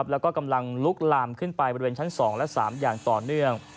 แล้วก็กำลังลุกลามขึ้นไปบริเวณชั้น๒และ๓อย่างต่อเนื่อง